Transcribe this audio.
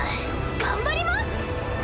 頑張ります。